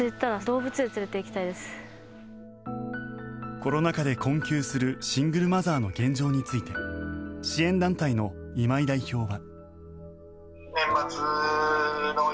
コロナ禍で困窮するシングルマザーの現状について支援団体の今井代表は。